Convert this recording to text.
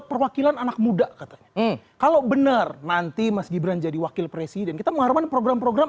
perwakilan anak muda katanya kalau benar nanti mas gibran jadi wakil presiden kita mengharmati program program